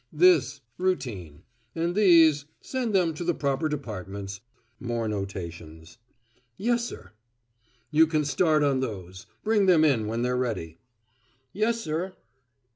"This Routine. And these Send them to the proper departments." More notations. "Yes, sir." "You can start on those. Bring them in when they're ready." "Yes, sir."